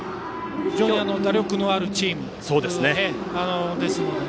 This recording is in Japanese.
非常に打力のあるチームですので。